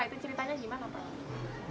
itu ceritanya gimana pak